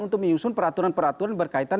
untuk menyusun peraturan peraturan berkaitan